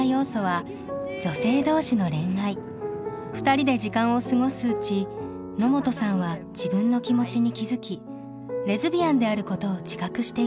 ２人で時間を過ごすうち野本さんは自分の気持ちに気付きレズビアンであることを自覚していきます。